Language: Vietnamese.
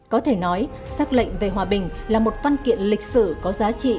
có thể nói xác lệnh về hòa bình là một văn kiện lịch sử có giá trị